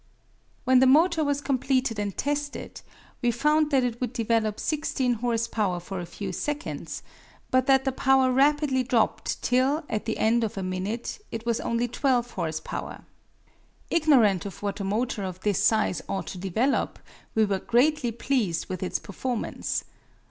When the motor was completed and tested, we found that it would develop 16 horse power for a few seconds, but that the power rapidly dropped till, at the end of a minute, it was only 12 horse power. Ignorant of what a motor of this size ought to develop, we were greatly pleased with its performance.